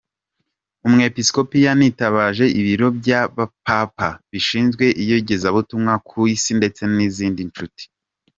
Umwepiskopi yanitabaje Ibiro bya Papa bishinzwe Iyogezabutumwa ku Isi ndetse n’izindi nshuti.